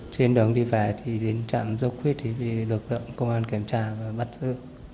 trên đường đi về thì đến trạm dâu khuyết thì được công an kiểm tra và bắt giữ